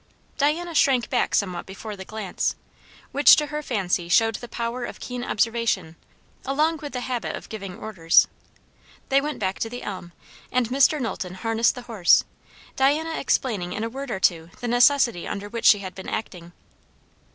Diana shrank back somewhat before the glance, which to her fancy showed the power of keen observation along with the habit of giving orders. They went back to the elm, and Mr. Knowlton harnessed the horse, Diana explaining in a word or two the necessity under which she had been acting.